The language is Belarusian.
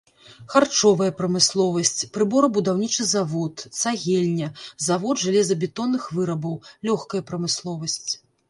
Харчовая прамысловасць, прыборабудаўнічы завод, цагельня, завод жалезабетонных вырабаў, лёгкая прамысловасць.